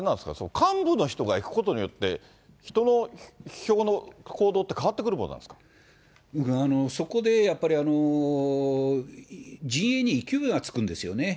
幹部の人が行くことによって、人の票の行動って変そこでやっぱり、陣営に勢いがつくんですよね。